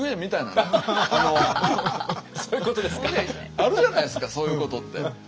あるじゃないですかそういうことって。